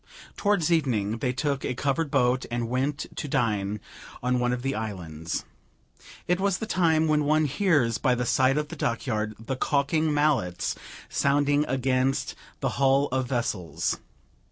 Towards evening they took a covered boat and went to dine on one of the islands. It was the time when one hears by the side of the dockyard the caulking mallets sounding against the hull of vessels.